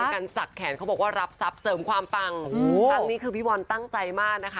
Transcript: การสักแขนเขาบอกว่ารับทรัพย์เสริมความปังครั้งนี้คือพี่บอลตั้งใจมากนะคะ